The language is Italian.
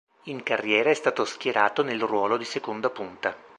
In carriera è stato schierato nel ruolo di seconda punta.